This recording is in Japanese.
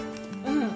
うん。